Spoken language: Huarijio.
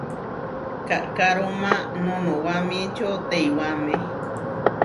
Kaʼkaróma noʼnowamíčio teiwáme.